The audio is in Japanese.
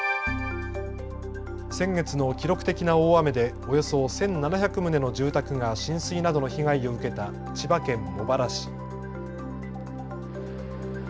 先月の記録的な大雨でおよそ１７００棟の住宅が浸水などの被害を受けた千葉県茂原市。